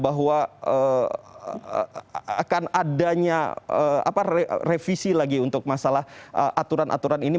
bahwa akan adanya revisi lagi untuk masalah aturan aturan ini